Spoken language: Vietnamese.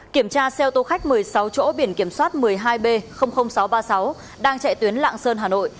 kiểm tra xe ô tô khách một mươi sáu chỗ biển kiểm soát một mươi hai b sáu trăm ba mươi sáu đang chạy tuyến lạng sơn hà nội